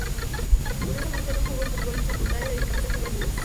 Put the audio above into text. Curiosamente, no jugó fútbol en secundaria, dedicándose a jugar en ligas.